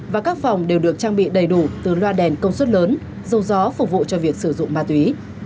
và các phòng đều được trang bị đầy đủ từ loa đèn công suất lớn dầu gió phục vụ cho việc sử dụng ma túy